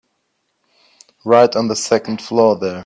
Right on the second floor there.